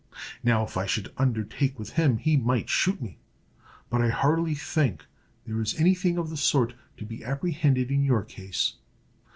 Now, if I should undertake with him, he might shoot me; but I hardly think there is any thing of the sort to be apprehended in your case.